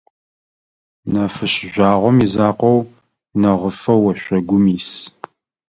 Нэфышъ жъуагъом изакъоу, нэгъыфэу ошъогум ис.